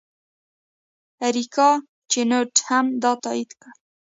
اریکا چینوت هم دا تایید کړه.